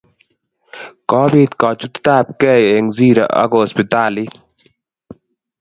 kobit kachutet ab kei eng zero ak hosiptalit